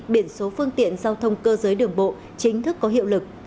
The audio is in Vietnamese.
biển số phương tiện giao thông cơ giới đường bộ chính thức có hiệu lực